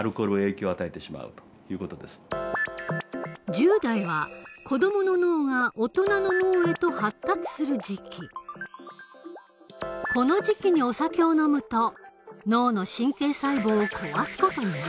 １０代は子どもの脳が大人の脳へとこの時期にお酒を飲むと脳の神経細胞を壊す事になる。